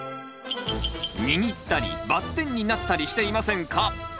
握ったりバッテンになったりしていませんか？